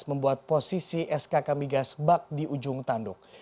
membuat posisi skk migas bak di ujung tanduk